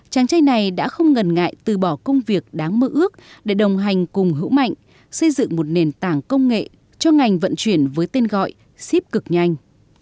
chàng trai này đã không ngần ngại từ bỏ công việc đáng mơ ước để đồng hành cùng hữu mạnh xây dựng một nền tảng công nghệ cho ngành vận chuyển với tên gọi ship cực nhanh